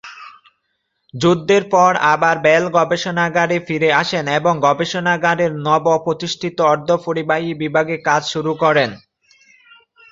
যুদ্ধের পর আবার বেল গবেষণাগারে ফিরে আসেন এবং গবেষণাগারের নব প্রতিষ্ঠিত অর্ধপরিবাহী বিভাগে কাজ শুরু করেন।